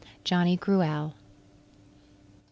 JOHNNY GRUELLE.